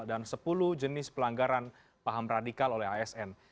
dan sepuluh jenis pelanggaran paham radikal oleh asn